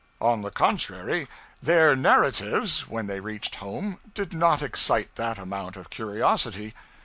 On the contrary, their narratives when they reached home, did not excite that amount of curiosity.